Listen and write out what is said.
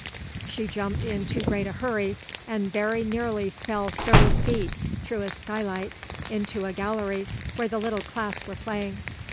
She jumped in too great a hurry, and very nearly fell thirty feet through a skylight into a gallery where the little class were playing.